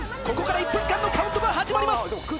ここから１分間のカウントが始まります。